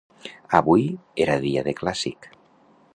Avui era dia de clàssic.